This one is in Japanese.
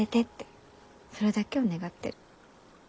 それだけを願ってる。